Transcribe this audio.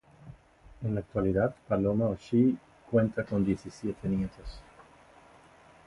En la actualidad, Paloma O'Shea cuenta con diecisiete nietos.